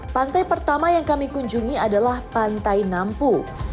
pantai pertama yang kami kunjungi adalah pantai nampu